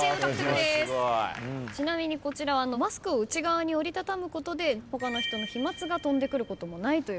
ちなみにこちらマスクを内側に折りたたむことで他の人の飛沫が飛んでくることもないという。